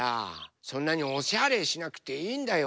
そんなにおしゃれしなくていいんだよ。